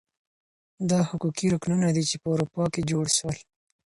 دا هغه حقوقي رکنونه دي چي په اروپا کي جوړ سول.